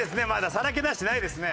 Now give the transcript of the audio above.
さらけ出してないですね。